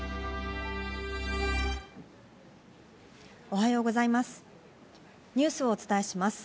おはようございます。